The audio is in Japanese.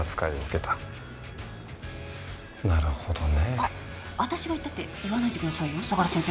あっ私が言ったって言わないでくださいよ相良先生。